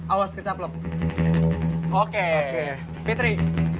awas kecap loh oke fitri